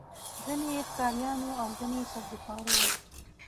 ځینې یې ښکاریان وو او ځینې یې سبزيخواره وو.